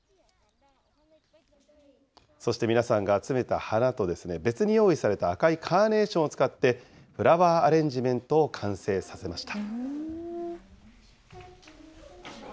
そして皆さんが集めた花と、別に用意された赤いカーネーションを使って、フラワーアレンジメントを完成させました。